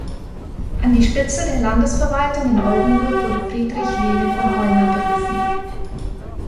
An die Spitze der Landesverwaltung in Oldenburg wurde Friedrich Levin von Holmer berufen.